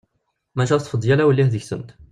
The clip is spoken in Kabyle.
Maca teṭṭef-d yal awellih deg-sent.